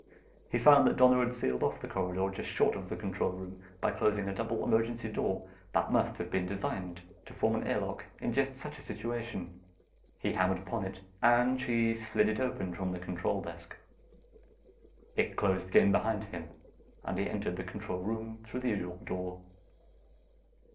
He found that Donna had sealed off the corridor just short of the control room by closing a double emergency door that must have been designed to form an airlock in just such a situation. He hammered upon it, and she slid it open from the control desk. It closed again behind him, and he entered the control room through the usual door.